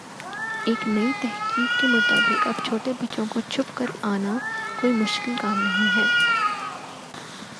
ایک نئی تحقیق کے مطابق اب چھوٹے بچوں کو چپ کر آنا کوئی مشکل کام نہیں ہے